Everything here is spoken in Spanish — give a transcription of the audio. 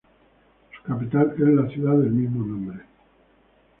Su capital es la ciudad del mismo nombre.